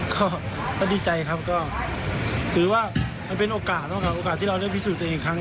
ก็ดีใจครับก็คือว่ามันเป็นโอกาสบ้างครับโอกาสที่เราได้พิสูจน์ตัวเองอีกครั้ง